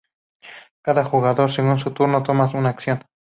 Cada jugador, según su turno, toma una acción.